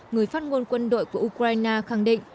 người phát ngôn quân đội của ukraine khẳng định